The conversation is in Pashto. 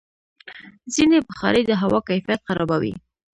ځینې بخارۍ د هوا کیفیت خرابوي.